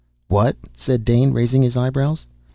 "What?" said Dane, raising his eyebrows.